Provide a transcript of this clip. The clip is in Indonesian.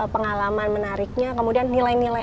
pengalaman menariknya kemudian nilai nilai